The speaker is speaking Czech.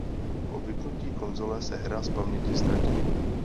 Po vypnutí konzole se hra z paměti ztratí.